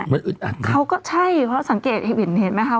มันอึดอัดเขาก็ใช่เพราะสังเกตเห็นไหมคะ